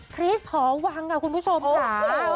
คริสหอวังค่ะคุณผู้ชมค่ะ